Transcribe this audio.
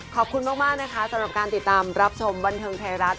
ขอบคุณมากนะคะสำหรับการติดตามรับชมบันเทิงไทยรัฐ